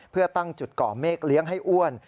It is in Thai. เพื่อตั้งจุดก่อเมฆเลี้ยงให้อ้วน